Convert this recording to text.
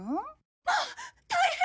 まあ大変！